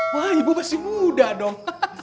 wah ibu masih muda dong